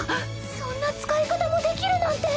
そんな使い方もできるなんて。